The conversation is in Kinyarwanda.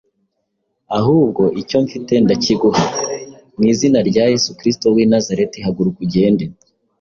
Ahubwo icyo mfite ndakiguha. Mu Izina rya Yesu Kristo w’i Nazareti, haguruka ugende.